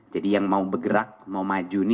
jadi yang mau bergerak mau maju ini